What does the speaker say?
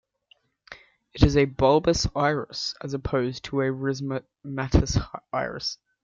It is a bulbous iris, as opposed to a rhizomatous iris.